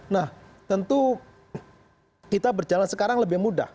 nah tentu kita berjalan sekarang lebih mudah